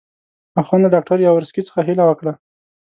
اخند له ډاکټر یاورسکي څخه هیله وکړه.